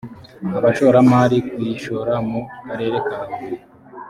abashora mari kuyishora mu karere ka huye